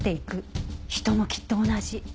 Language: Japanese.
「人もきっと同じ」